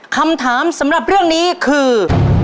คำถามสำหรับเรื่องนี้คือ